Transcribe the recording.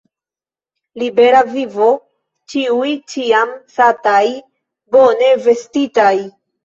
Libera vivo, ĉiuj ĉiam sataj, bone vestitaj!